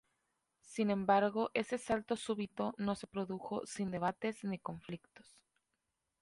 Sin embargo ese salto súbito no se produjo sin debates ni conflictos.